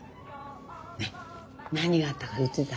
何があったか言ってた？